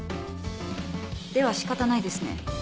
では仕方ないですね。